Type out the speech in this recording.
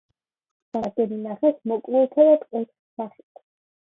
აქ მათ დანაკარგები ნახეს მოკლულთა და ტყვეთა სახით.